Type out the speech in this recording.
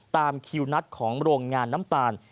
ตามคิวนัดของโรงงานน้ำตาล